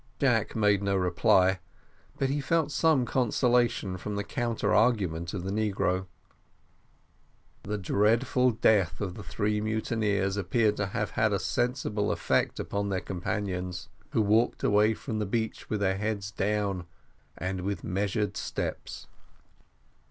Jack made no reply, but he felt some consolation from the counter argument of the negro. The dreadful death of the three mutineers appeared to have had a sensible effect upon their companions, who walked away from the beach with their heads down and with measured steps.